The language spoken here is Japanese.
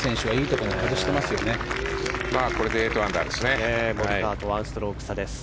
これで８アンダーですね。